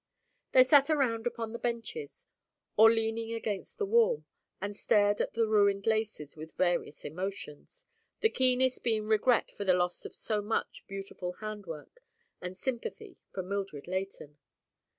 They sat around upon the benches, or leaning against the wall, and stared at the ruined laces with various emotions, the keenest being regret for the loss of so much beautiful handwork and sympathy for Mildred Leighton.